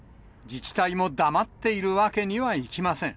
自治体も黙っているわけにはいきません。